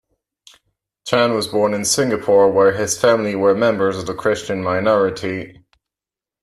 Chan was born in Singapore, where his family were members of the Christian minority.